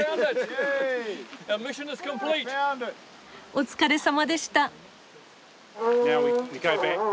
お疲れさまでした。